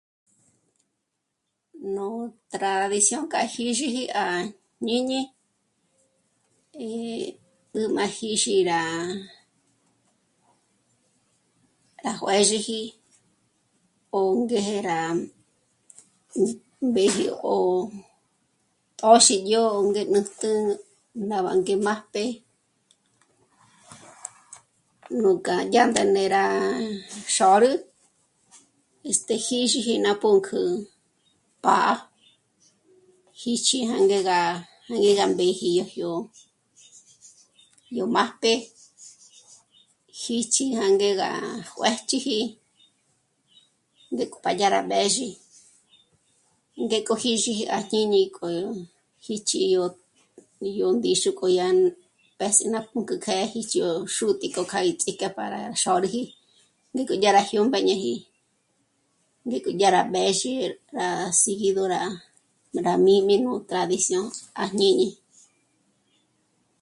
Nú tradición kja jízhiji à jñíni... eh... gú má jîzhi rá... juězhiji ó ngéje rá mbéjyó 'ó... t'ö̌xi yó ngé nǜjtjü ná bangé má májpje, nú k'á dyánda né'e rá... xôrü este... xízhiji ná pǔnk'ü pá'a jíchi jângé gá... jângé gá mbéji yó jyó'o... yó májpje jíchi jânge gá juě'ch'iji ndék'o pá dya rá mbézhi, ngéko jízhi à jñíni k'o jíchi yó... yó ndíxu k'o dyá mbés'i ná pǔnk'ü kjë́'ë jíchyó xúti'i k'o kja í ts'íjké rá pá'a xôrüji ndíko dyá rá jyómbáñeji, ngíko dya rá mbézhi rá... sígido rá... jmī́mi nú tradición à jñíni